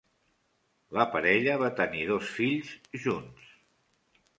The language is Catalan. La parella va tenir dos fills junts.